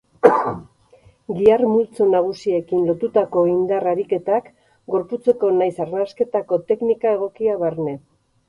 Gihar-multzo nagusiekin lotutako indar-ariketak, gorputzeko nahiz arnasketako teknika egokia barne.